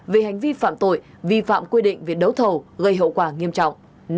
về hành vi phạm tội vi phạm quy định về đấu thầu gây hậu quả nghiêm trọng